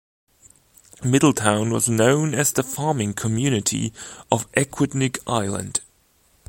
Middletown was known as the "farming community" of Aquidneck Island.